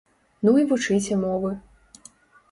Ну і вучыце мовы.